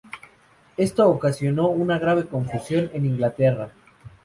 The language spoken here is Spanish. Esto ocasionó una grave confusión en Inglaterra.